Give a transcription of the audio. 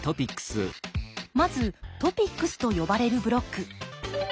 まずトピックスと呼ばれるブロック。